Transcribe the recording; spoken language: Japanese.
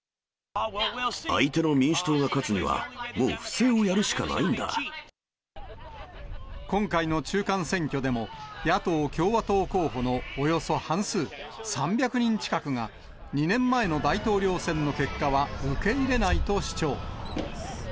相手の民主党が勝つには、今回の中間選挙でも、野党・共和党候補のおよそ半数、３００人近くが２年前の大統領選の結果は受け入れないと主張。